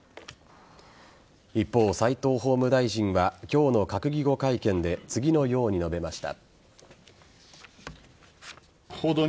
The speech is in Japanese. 一方、斎藤法務大臣は今日の閣議後会見で次のように述べました。